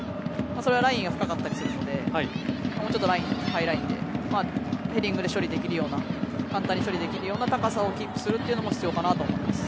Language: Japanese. それはラインが深かったりするのでもうちょっとラインハイラインでヘディングで処理できるような簡単に処理できるような高さをキープするというのも必要かなと思います。